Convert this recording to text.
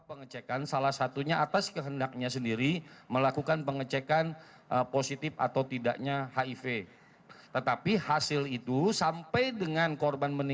sementara saat dilakukan pemeriksaan